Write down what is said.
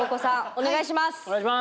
お願いします！